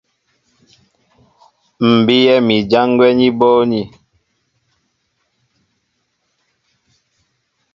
M̀ bíyɛ́ mi ján gwɛ́ ní bóónī.